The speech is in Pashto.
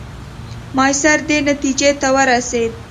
ماسیر دې نتیجې ته ورسېد.